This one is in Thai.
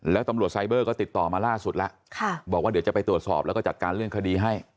แล้วตำรวจไซเบอร์ก็ติดต่อมาล่าสุดแล้วบอกว่าเดี๋ยวจะไปตรวจสอบแล้วก็จัดการเรื่องคดีให้